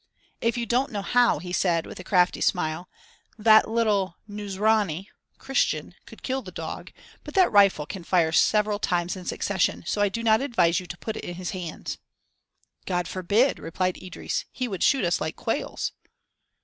"If you don't know how," he said, with a crafty smile, "that little 'nouzrani' (Christian) could kill the dog, but that rifle can fire several times in succession; so I do not advise you to put it in his hands." "God forbid!" replied Idris; "he would shoot us like quails."